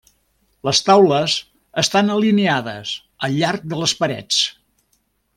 Les taules estan alineades al llarg de les parets.